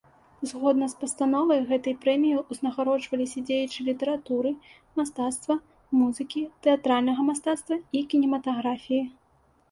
Згодна з пастановай, гэтай прэміяй узнагароджваліся дзеячы літаратуры, мастацтва, музыкі, тэатральнага мастацтва і кінематаграфіі.